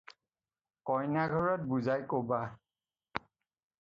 কন্যাঘৰত বুজাই ক'বা।